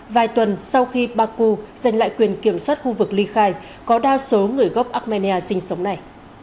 vài tuần sau khi baku giành lại quyền kiểm soát khu vực ly khai có đa số người gốc armenia sinh sống này